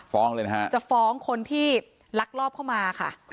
เลยนะฮะจะฟ้องคนที่ลักลอบเข้ามาค่ะ